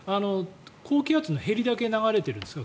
高気圧のへりだけ風が流れてるんですか？